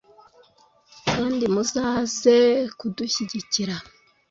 kandi Muzaze kudushyigikira